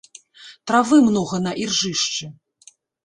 Травы многа на іржышчы.